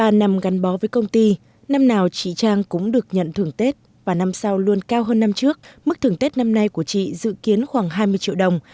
ba năm gắn bó với công ty năm nào chị trang cũng được nhận thưởng tết và năm sau luôn cao hơn năm trước mức thưởng tết năm nay của chị dự kiến khoảng hai mươi triệu đồng